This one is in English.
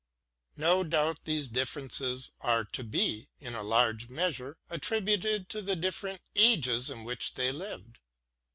No doubt these differences are to be, in a large measure, attributed to the different ages in which they lived.